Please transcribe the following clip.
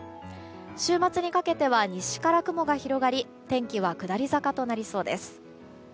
週末にかけては西から雲が広がり天気は下り坂となりそうです。